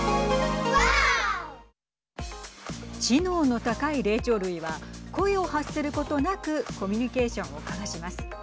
知能の高い霊長類は声を発することなくコミュニケーションを交わします。